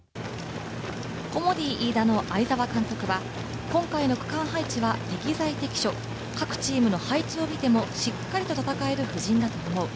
コモディイイダの会沢監督は今回の区間配置は適材適所、各チームの配置を見ても、しっかりと戦える布陣だと思う。